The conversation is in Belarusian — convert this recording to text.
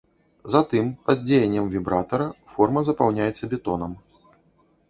Затым пад дзеяннем вібратара форма запаўняецца бетонам.